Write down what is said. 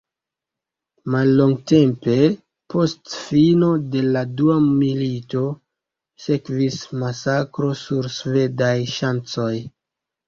Mallongtempe post fino de la dua milito sekvis masakro sur Svedaj ŝancoj.